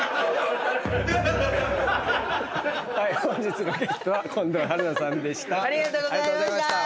はい本日のゲストは近藤春菜さんでした。